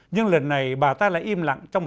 nhưng lần này bà ta lại im lặng